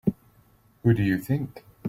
Who do you think?